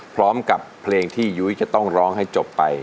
พร้อมกับเพลงที่ยุ้ยจะต้องร้องให้จบไป